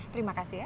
terima kasih ya